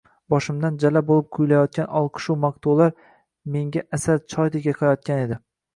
Boshimdan jala bo‘lib quyilayotgan olqishu maqtovlar menga asal choydek yoqayotgan edi